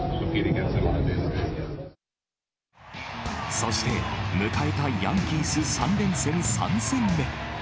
そして、迎えたヤンキース３連戦３戦目。